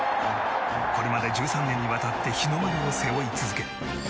これまで１３年にわたって日の丸を背負い続け